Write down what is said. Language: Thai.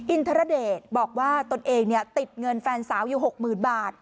ทรเดชบอกว่าตนเองติดเงินแฟนสาวอยู่๖๐๐๐บาท